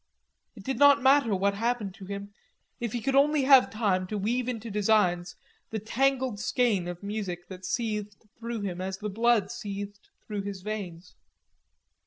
It would not matter what happened to him if he could only have time to weave into designs the tangled skein of music that seethed through him as the blood seethed through his veins.